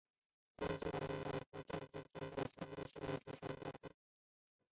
赞古勒赫的波尔至之间的路段为第三标段。